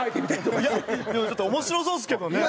でもちょっと面白そうですけどね。